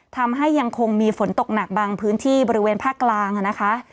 ยังคงมีฝนตกหนักบางพื้นที่บริเวณภาคกลางนะคะ